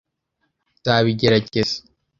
nzabigerageza